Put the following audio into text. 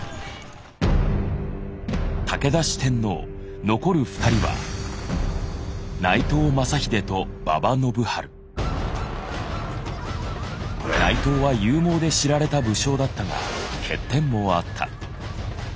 武田四天王残る２人は内藤は勇猛で知られた武将だったが欠点もあった。